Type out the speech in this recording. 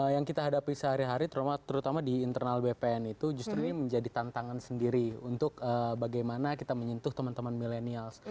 yang kita hadapi sehari hari terutama di internal bpn itu justru ini menjadi tantangan sendiri untuk bagaimana kita menyentuh teman teman milenials